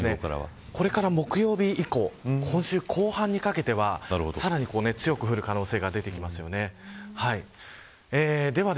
これから木曜日以降今週後半にかけて、さらに強く降る可能性が出てきます。